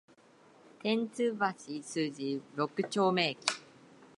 天津橋筋六丁目駅